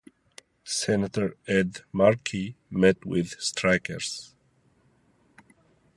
Senator Ed Markey met with strikers.